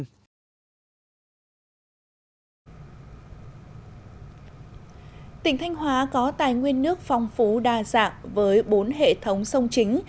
tỉnh thanh hóa có tài nguyên nước phong phú đa dạng với bốn hệ thống sông chính